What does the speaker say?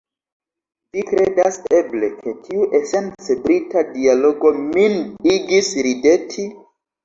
Vi kredas, eble, ke tiu esence Brita dialogo min igis rideti?